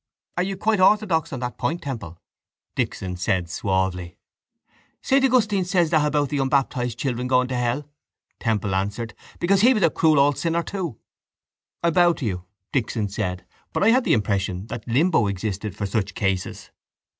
—Are you quite orthodox on that point, Temple? Dixon said suavely. —Saint Augustine says that about unbaptised children going to hell, Temple answered, because he was a cruel old sinner too. —I bow to you, Dixon said, but I had the impression that limbo existed for such cases.